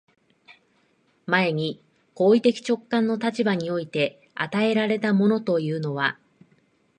前に行為的直観の立場において与えられたものというのは、